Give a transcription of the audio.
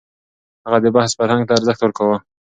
هغه د بحث فرهنګ ته ارزښت ورکاوه.